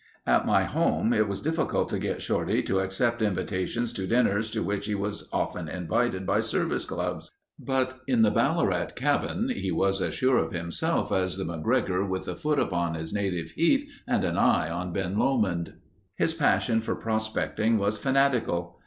At my home it was difficult to get Shorty to accept invitations to dinners to which he was often invited by service clubs, but in the Ballarat cabin he was as sure of himself as the MacGregor with a foot upon his native heath and an eye on Ben Lomond. His passion for prospecting was fanatical.